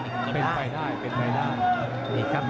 เป็นไปได้เป็นไปได้